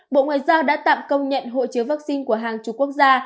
bộ ngoại giao đã tạm công nhận hộ chiếu vaccine của hàng chục quốc gia